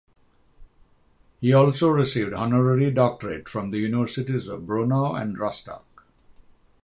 He also received honorary doctorate from the universities of Brno and Rostock.